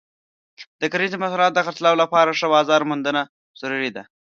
د کرنیزو محصولاتو د خرڅلاو لپاره ښه بازار موندنه ضروري ده.